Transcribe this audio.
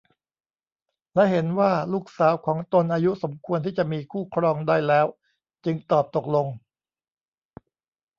และเห็นว่าลูกสาวของตนอายุสมควรที่จะมีคู่ครองได้แล้วจึงตอบตกลง